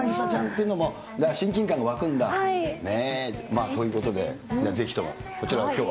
それでなぎさちゃんっていうのも、親近感が湧くんだ？ということで、ぜひとも、こちらをきょうは。